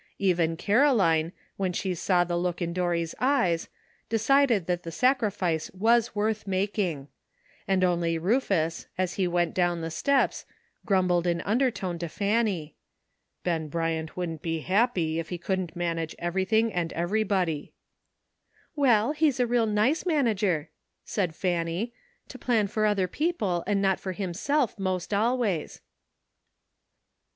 Even Caroline, when she saw the look in Dorry's eyes, decided that the sac ''LUCK." 333 rifice was worth making; and only Rufus, as he went down the steps, grumbled in undertone to Fanny :'' Ben Bryant wouldn't be happy if he couldn't manage everything and everybody." " Well, he's a real nice manager," said Fanny, "to plan for other people and not for himself 'most always."